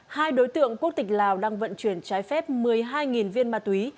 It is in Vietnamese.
hai đối tượng quốc tịch lào đang vận chuyển trái phép một mươi hai viên ma túy